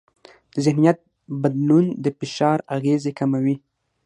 ذهنیت بدلون د فشار اغېزې کموي.